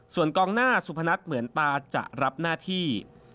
ส่วนกองหน้าสุพนัทเหมือนตาจะรับหน้าที่